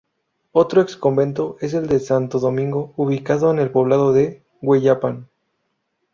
Otro ex convento es el de Santo Domingo, ubicado en el poblado de Hueyapan.